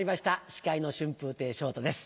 司会の春風亭昇太です。